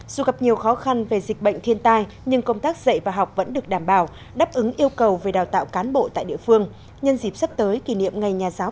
dù gặp nhiều khó khăn về dịch bệnh thiên tai nhưng công tác dạy và học vẫn được đảm bảo đáp ứng yêu cầu về đào tạo cán bộ tại địa phương